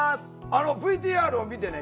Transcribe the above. あのＶＴＲを見てね